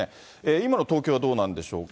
今の東京はどうなんでしょうか。